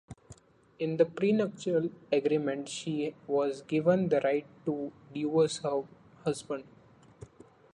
In the prenuptial agreement she was given the right to divorce her husband.